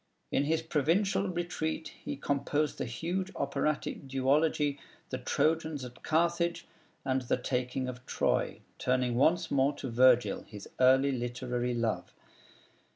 In his provincial retreat he composed the huge operatic duology 'The Trojans at Carthage,' and 'The Taking of Troy,' turning once more to Virgil, his early literary love.